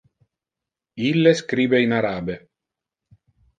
Ille scribe in arabe.